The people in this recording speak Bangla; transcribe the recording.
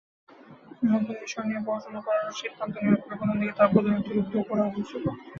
নতুন বিষয় নিয়ে পড়াশোনা করার সিদ্ধান্ত নেওয়ার ফলে প্রথম দিকে তার পদোন্নতি রুদ্ধ হয়েছিল।